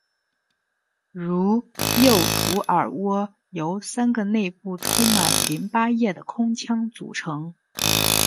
如右图耳蜗由三个内部充满淋巴液的空腔组成。